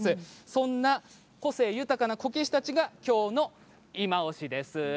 そんな個性豊かなこけしたちがきょうのいまオシです。